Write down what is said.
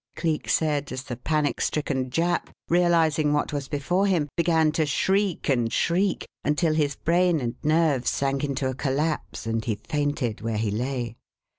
Cleek said as the panic stricken Jap, realizing what was before him, began to shriek and shriek until his brain and nerves sank into a collapse and he fainted where he lay.